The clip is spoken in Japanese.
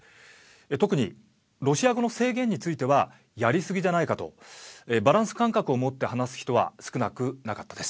特にロシア語の制限についてはやり過ぎじゃないかとバランス感覚をもって話す人は少なくなかったです。